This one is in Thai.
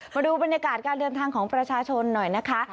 มาดูบรรยากาศการเดินทางของประชาชนหน่อยนะคะ